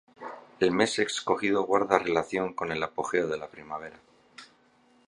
El mes escogido guarda relación con el apogeo de la primavera.